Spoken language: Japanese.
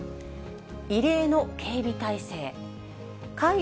異例の警備態勢。